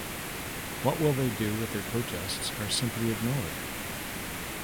What will they do if their protests are simply ignored?